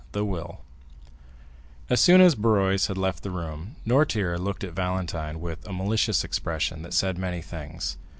The Will As soon as Barrois had left the room, Noirtier looked at Valentine with a malicious expression that said many things.